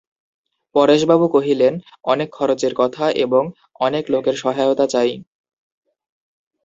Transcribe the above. পরেশবাবু কহিলেন, অনেক খরচের কথা এবং অনেক লোকের সহায়তা চাই।